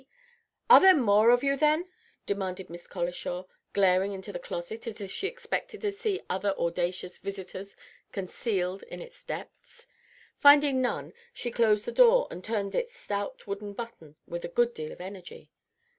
are there more of you, then?" demanded Miss Colishaw, glaring into the closet as if she expected to see other audacious visitors concealed in its depths. Finding none, she closed the door and turned its stout wooden button with a good deal of energy.